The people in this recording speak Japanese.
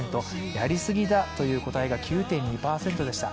やりすぎだという答えが９．２％でした。